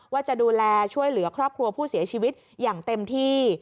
ว่าจะดูแลช่วยเหลือครอบครัวผู้เสียชีวิตอย่างเต็มที่